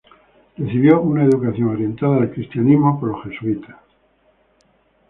Recibió una educación orientada al cristianismo por los jesuitas.